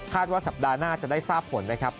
ว่าสัปดาห์หน้าจะได้ทราบผลนะครับ